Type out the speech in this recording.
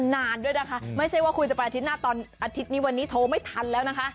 นานด้วยนะคะไม่ใช่ว่าคุณจะไปอาทิตย์หน้าตอนอาทิตย์นี้วันนี้โทรไม่ทันแล้วนะคะ